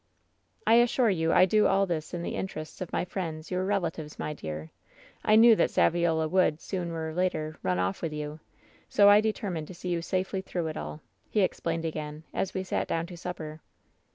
" 'I assure you I do all this in the interests of my friends, your relatives, my dear. I knew that Saviola would, sooner or later, run off with you. So I deter mined to see you safely through it all I' he explained again, as we sat down to supper.